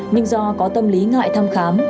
nhưng do có tâm lý ngại thăm khám